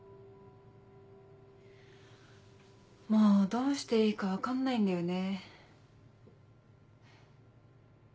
もうどうしていいか分かんないんだよね。